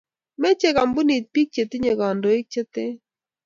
Mechei kampunit biik che tinye koindo ne ten